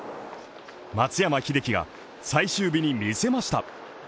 松山英樹が最終日に見せました。